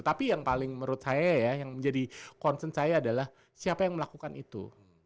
tapi yang paling menurut saya ya yang menjadi concern saya adalah siapa yang melakukan itu